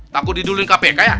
takut didulin kpk ya